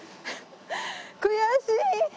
悔しい！